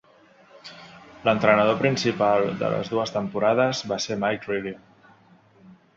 L'entrenador principal de les dues temporades va ser Mike Riley.